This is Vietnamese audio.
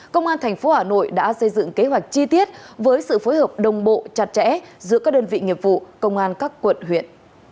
công an tp hà nội đã xây dựng kế hoạch chi tiết với sự phối hợp đồng bộ chặt chẽ giữa các đơn vị nghiệp vụ công an các quận huyện